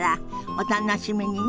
お楽しみにね。